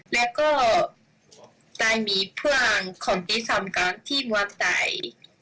แล้วก็ได้มีเพื่อนของที่สำคัญที่เมืองไทย